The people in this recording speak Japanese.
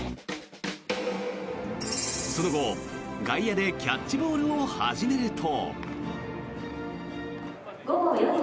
その後、外野でキャッチボールを始めると。